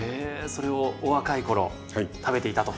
それをお若い頃食べていたと。